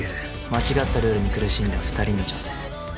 間違ったルールに苦しんだ２人の女性。